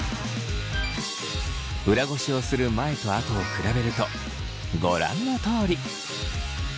裏ごしをする前と後を比べるとご覧のとおり。